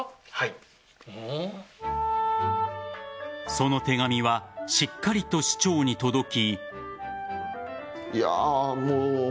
その手紙はしっかりと市長に届き。